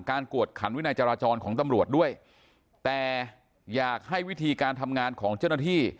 กวดขันวินัยจราจรของตำรวจด้วยแต่อยากให้วิธีการทำงานของเจ้าหน้าที่